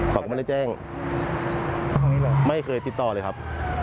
เขาก็ไม่ได้แจ้งไม่เคยติดต่อเลยครับ